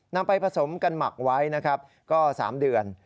นำไปผสมกันหมักไว้นะครับก็๓เดือน